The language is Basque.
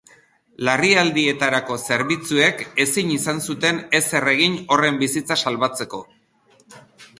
Larrialdietarako zerbitzuek ezin izan zuten ezer egin horren bizitza salbatzeko.